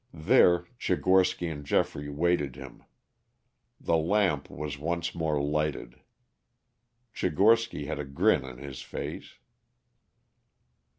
There Tchigorsky and Geoffrey waited him. The lamp was once more lighted. Tchigorsky had a grin on his face.